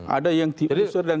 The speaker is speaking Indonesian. ada yang diusir dan segala macam